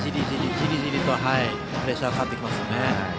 じりじりとプレッシャーがかかってきますよね。